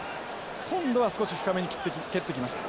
今度は少し深めに蹴ってきました。